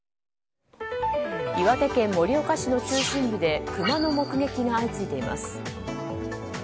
岩手県盛岡市の中心部でクマの目撃が相次いでいます。